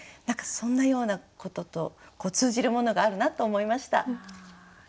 何かそんなようなことと通じるものがあるなと思いました。